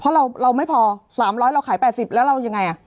เพราะเราเราไม่พอสามร้อยเราขายแปดสิบแล้วเรายังไงอ่ะ